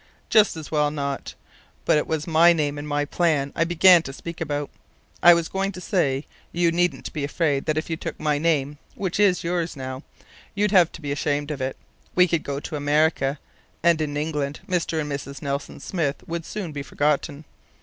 "Just as well not.... But it was my name and my plan I began to speak about. I was going to say, you needn't be afraid that if you took my name (which is yours now), you'd have to be ashamed of it. We could go to America, and in England Mr. and Mrs. Nelson Smith would soon be forgotten.